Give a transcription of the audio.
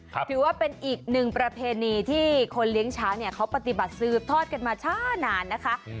ถือว่าเป็นอีกหนึ่งประเพณีที่คนเลี้ยงช้างเนี่ยเขาปฏิบัติสืบทอดกันมาช้านานนะคะ